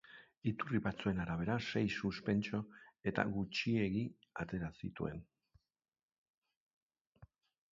Iturri batzuen arabera, sei suspenso edo gutxiegi atera zituen.